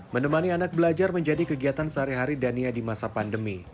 menemani anak belajar menjadi kegiatan sehari hari dania di masa pandemi